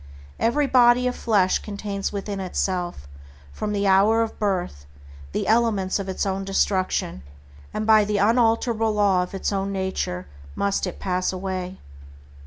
Every body of flesh contains within itself, from the hour of birth, the elements of its own destruction, and by the unalterable law of its own nature must it pass away.